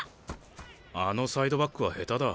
あのサイドバックは下手だ。